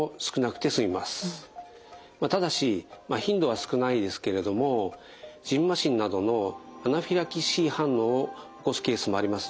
ただし頻度は少ないですけれどもじんましんなどのアナフィラキシー反応を起こすケースもありますので注意が必要です。